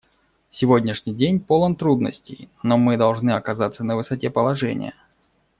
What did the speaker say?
Сегодняшний день полон трудностей, но мы должны оказаться на высоте положения.